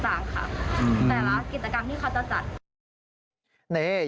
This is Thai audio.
แต่ละกิจกรรมที่เขาจะจัด